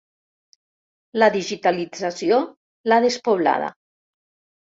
La digitalització l'ha despoblada.